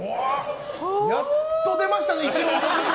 やっと出ましたね